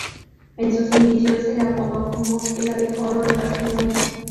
En sus inicios se le apodó como "el abejorro de Barcelona".